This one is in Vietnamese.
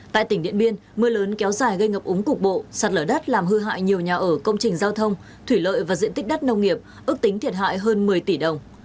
tại tỉnh điện biên mưa lớn kéo dài gây ngập úng cục bộ sạt lở đất làm hư hại nhiều nhà ở công trình giao thông thủy lợi và diện tích đất nông nghiệp ước tính thiệt hại hơn một mươi tỷ đồng